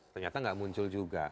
ternyata enggak muncul juga